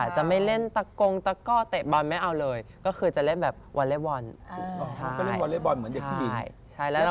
จะไม่เล่นตะโกงตะเกาะตะเตะบอลไม่เอาเลยก็คือจะเล่นแบบวอเล็กวอล